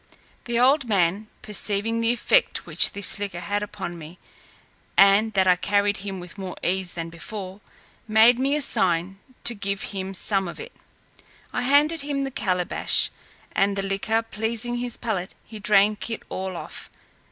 The old man, perceiving the effect which this liquor had upon me, and that I carried him with more ease than before, made me a sign to give him some of it. I handed him the calebash, and the liquor pleasing his palate, he drank it all off.